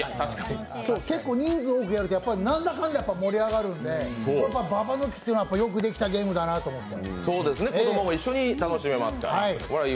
結構人数多くてやると、なんだかんだいっても盛り上がるのでババ抜きってというのは、よくできたゲームだなと思って。